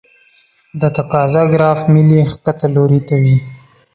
د تقاضا ګراف میل یې ښکته لوري ته وي.